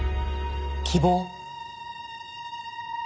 希望？